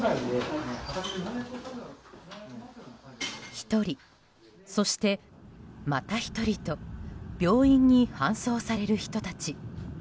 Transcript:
１人、そしてまた１人と病院に搬送される人たち。